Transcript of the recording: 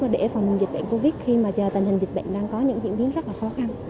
để phòng dịch bệnh covid khi mà tình hình dịch bệnh đang có những diễn biến rất là khó khăn